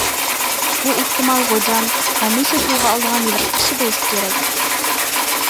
بۇ ئېھتىمال غوجام ھەمىشە تىلغا ئالىدىغان ھېلىقى كىشى بولسا كېرەك.